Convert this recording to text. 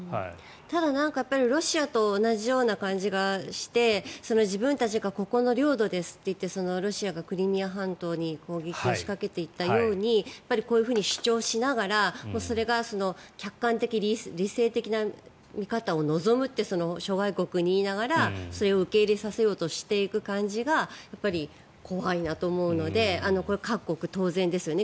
ただロシアと同じような感じがして自分たちがここの領土ですって言ってロシアがクリミア半島に攻撃を仕掛けていったようにこういうふうに主張しながらそれが客観的・理性的な見方を望むって諸外国に言いながらそれを受け入れさせようとしている感じがやっぱり怖いなと思うのでこれは各国、当然ですよね。